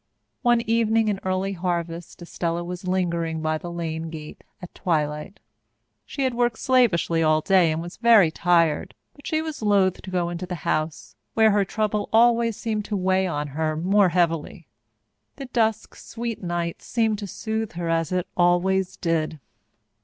One evening in early harvest Estella was lingering by the lane gate at twilight. She had worked slavishly all day and was very tired, but she was loath to go into the house, where her trouble always seemed to weigh on her more heavily. The dusk, sweet night seemed to soothe her as it always did.